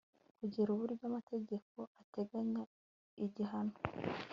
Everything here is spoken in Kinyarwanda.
kugena uburyo amategeko ateganya igihano